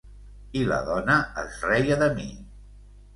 I la dona es reia de mi.